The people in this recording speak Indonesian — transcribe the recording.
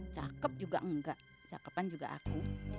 cakep juga enggak cakepan juga aku